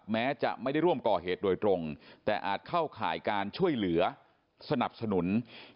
แม้จะไม่ได้ร่วมก่อเหตุโดยตรงแต่อาจเข้าข่ายการช่วยเหลือสนับสนุน